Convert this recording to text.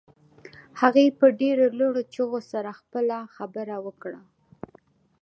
هغې په ډېرو لوړو چيغو سره خپله خبره وکړه.